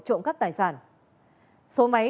trộm cắt tài sản số máy